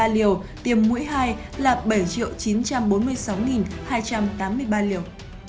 hai bốn trăm hai mươi chín trăm sáu mươi ba liều tiêm mũi hai là bảy chín trăm bốn mươi sáu hai trăm tám mươi ba liều